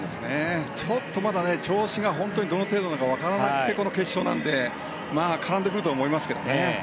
ちょっとまだ調子が本当にどの程度なのかわからなくてこの決勝なので絡んでくるとは思いますけどね。